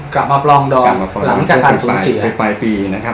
กลับมาปลองดอมหลังจากการสูญเสียไปไปปีนะครับ